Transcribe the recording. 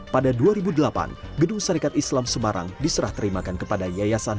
pada dua ribu delapan gedung syarikat islam semarang diserah terimakan kepada yayasan